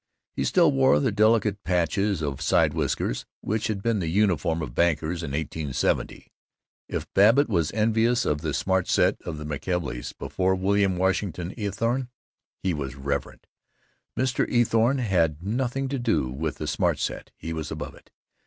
He still wore the delicate patches of side whiskers which had been the uniform of bankers in 1870. If Babbitt was envious of the Smart Set of the McKelveys, before William Washington Eathorne he was reverent. Mr. Eathorne had nothing to do with the Smart Set. He was above it.